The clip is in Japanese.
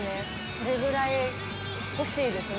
それぐらい欲しいですね。